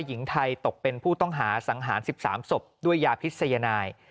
หญิงไทยตกเป็นผู้ต้องหาสังหาร๑๓ศพด้วยยาพิษยนาย